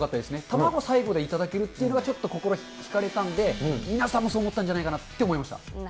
卵、最後で頂けるっていうのがちょっと心引かれたんで、皆さんもそう思ったんじゃないかなって思いました。